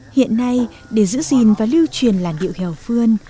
hiện nay để giữ gìn và lưu truyền làn điệu hèo phương